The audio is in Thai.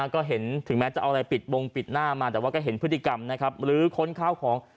ก็เห็นถึงแม้จะเอาอะไรปิดบงปิดหน้ามาแต่ว่าก็เห็นพฤติกรรมนะครับหรือค้นข้าวของ